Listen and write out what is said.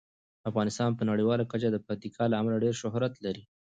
افغانستان په نړیواله کچه د پکتیکا له امله ډیر شهرت لري.